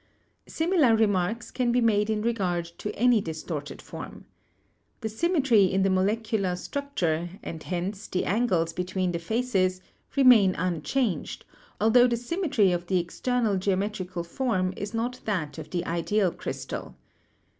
Similar remarks can be made in regard to any distorted form. The symmetry in the molecular structure, and hence the angles between the faces, remain unchanged, altho the symmetry of the external geometrical form is not that of the ideal crystal.